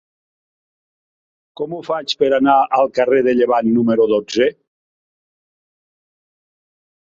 Com ho faig per anar al carrer de Llevant número dotze?